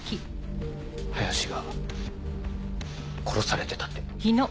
林が殺されてたって。